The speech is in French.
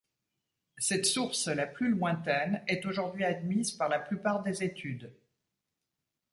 Cette source la plus lointaine est aujourd'hui admise par la plupart des études.